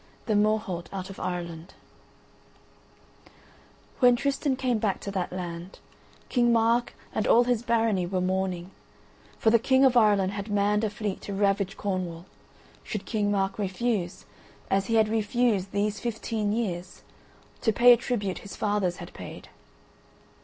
THE MORHOLT OUT OF IRELAND When Tristan came back to that land, King Mark and all his Barony were mourning; for the King of Ireland had manned a fleet to ravage Cornwall, should King Mark refuse, as he had refused these fifteen years, to pay a tribute his fathers had paid.